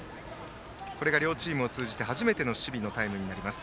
これが両チーム通じて初めての守備のタイムです。